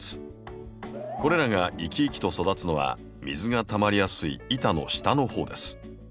これらが生き生きと育つのは水がたまりやすい板の下のほうです。